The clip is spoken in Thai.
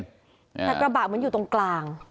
แต่กระบะเหมือนอยู่ตรงกลาง